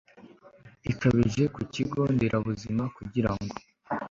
ikabije ku kigo nderabuzima kugira ngo